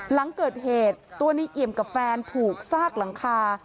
หลังเกิดเหตุตัวในเอี่ยมกับแฟนถูกซากหลังคา